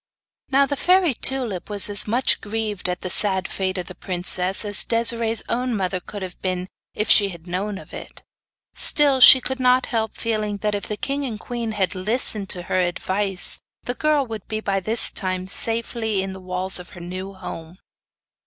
Now the fairy Tulip was as much grieved at the sad fate of the princess as Desiree's own mother could have been if she had known of it. Still, she could not help feeling that if the king and queen had listened to her advice the girl would by this time be safely in the walls of her new home.